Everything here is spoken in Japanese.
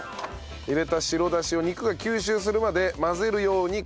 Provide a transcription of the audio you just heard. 入れた白だしを肉が吸収するまで混ぜるように絡めて染み込ませると。